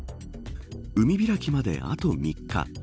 海開きまであと３日。